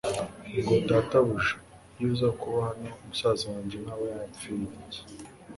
ngo: «Databuja, iyo uza kuba hano musaza wanjye ntaba yapfirye.»